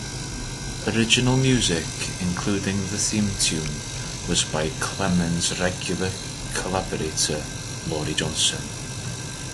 Original music, including the theme tune, was by Clemens' regular collaborator Laurie Johnson.